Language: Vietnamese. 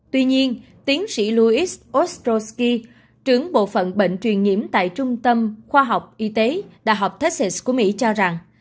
tuy nhiên tiến sĩ louis ostroski trưởng bộ phận bệnh truyền nhiễm tại trung tâm khoa học y tế đh texas của mỹ cho rằng